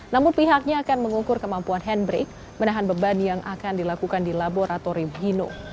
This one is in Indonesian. namun pihaknya akan mengukur kemampuan handbrake menahan beban yang akan dilakukan di laboratorium hino